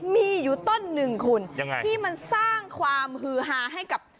มีอยู่ต้นหนึ่งคุณยังไงที่มันสร้างความฮือฮาให้กับ